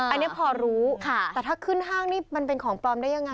อันนี้พอรู้แต่ถ้าขึ้นห้างนี่มันเป็นของปลอมได้ยังไง